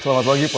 selamat pagi pak